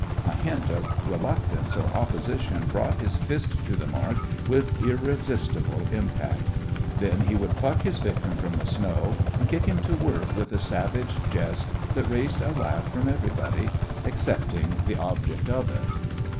A hint of reluctance or opposition brought his fist to the mark with irresistible impact. Then he would pluck his victim from the snow, and kick him to work with a savage jest that raised a laugh from everybody excepting the object of it.